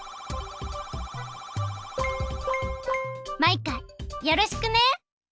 マイカよろしくね！